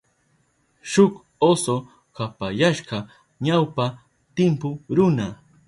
Shuk oso kapayashka ñawpa timpu runa.